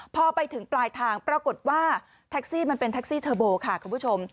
พอไปถึงปลายทางปรากฏว่าแท็กซี่มันเป็นแท็กซี่เทอร์โบค่ะคุณผู้ชม